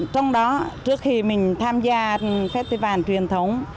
trong đó trước khi mình tham gia festival truyền thống